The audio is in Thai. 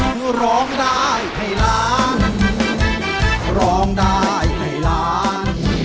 โต๊ะรองได้ให้ล้าน